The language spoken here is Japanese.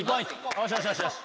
よしよしよしよし。